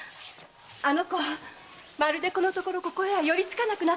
あの子はまるでこのところここへは寄り付かなくなっていまして。